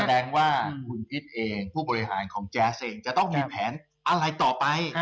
แสดงว่าคุณพิษเองผู้บริหารของแจ๊สเองจะต้องมีแผนอะไรต่อไป